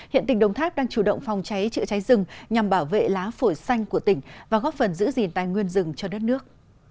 hiện tỉnh đồng tháp đang chủ động phòng cháy chữa cháy rừng nhằm bảo vệ lá phổi xanh của tỉnh và góp phần giữ gìn tài nguyên rừng cho đất nước